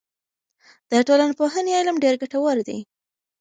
د ټولنپوهنې علم ډېر ګټور دی.